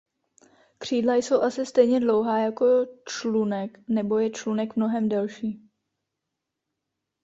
Křídla jsou asi stejně dlouhá jako člunek nebo je člunek mnohem delší.